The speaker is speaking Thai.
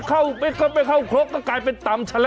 กระเป๋าไม่เข้าคลบกลายเป็นตำแชลป